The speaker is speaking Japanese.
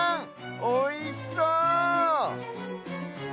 おいしそう！